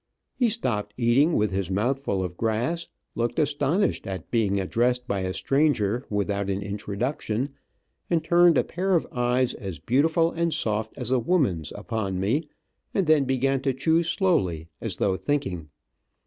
He stopped eating, with his mouth full of grass, looked astonished at being addressed by a stranger without an introduction, and turned a pair of eyes as beautiful and soft as a woman's upon me, and then began to chew slowly, as though thinking.